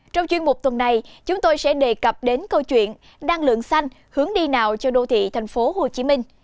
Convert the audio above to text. trong chuyên mục tuần này chúng tôi sẽ đề cập đến câu chuyện đăng lượng xanh hướng đi nào cho đô thị thành phố hồ chí minh